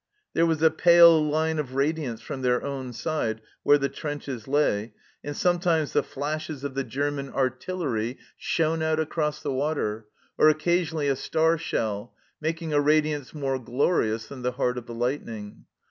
There was a pale line of radiance from their own side where the trenches lay, and sometimes the flashes of the German 18 138 THE CELLAR HOUSE OF PERVYSE artillery shone out across the water, or occasionally a star shell, making a radiance more glorious than the heart of the lightning.